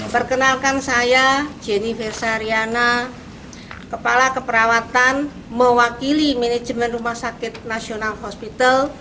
perkenalkan saya jenny firsariana kepala keperawatan mewakili manajemen rumah sakit nasional hospital